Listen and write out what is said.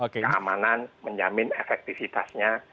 keamanan menjamin efektivitasnya